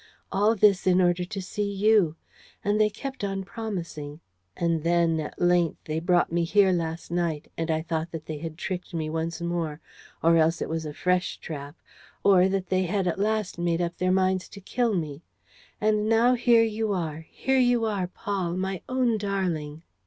All this in order to see you! ... And they kept on promising. And then, at length, they brought me here last night and I thought that they had tricked me once more ... or else that it was a fresh trap ... or that they had at last made up their minds to kill me. ... And now here you are, here you are, Paul, my own darling!